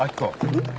うん？